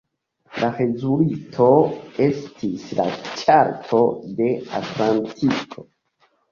La rezulto estis la Ĉarto de Atlantiko.